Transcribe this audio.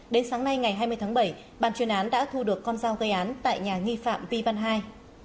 đến sáng nay ngày hai mươi tháng bảy bàn chuyên án đã thu được con dao gây án tại nhà nghi phạm vi văn hai